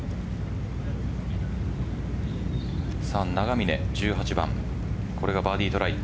永峰、１８番これがバーディートライ。